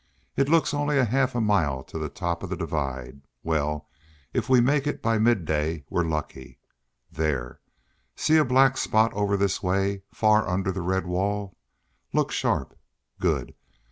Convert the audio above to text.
It looks only half a mile to the top of the divide; well, if we make it by midday we're lucky. There, see a black spot over this way, far under the red wall? Look sharp. Good!